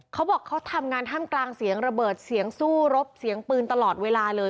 เขาบอกเขาทำงานท่ามกลางเสียงระเบิดเสียงสู้รบเสียงปืนตลอดเวลาเลย